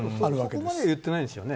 そこまでは言ってないですよね